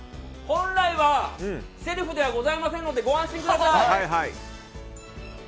本来はセルフではございませんのでご安心ください。